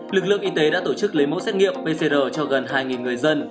lực lượng y tế đã tổ chức lấy mẫu xét nghiệm pcr cho gần hai người dân